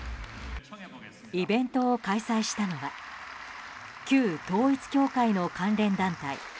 イベントを開催したのは旧統一教会の関連団体